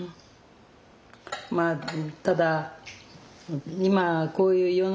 まあただ今こういう世の中ですのでね